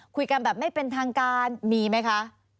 คุยกันแบบไม่เป็นทางการมีไหมคะ